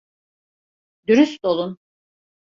Dürüst olun.